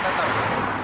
loh emarnya empat meter